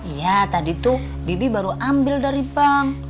iya tadi tuh bibi baru ambil dari pom